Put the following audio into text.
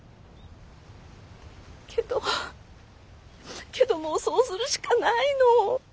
けどけどもうそうするしかないの。